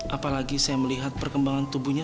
apalagi saya melihat perkembangan tubuhnya